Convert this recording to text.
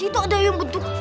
itu ada yang bentuk